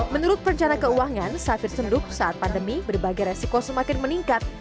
menurut perencana keuangan safir senduk saat pandemi berbagai resiko semakin meningkat